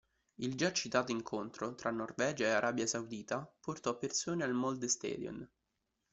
Il già citato incontro tra Norvegia e Arabia Saudita portò persone al Molde Stadion.